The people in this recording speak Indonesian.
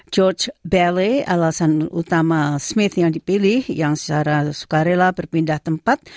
george bally alasan utama smith yang dipilih yang secara sukarela berpindah tempat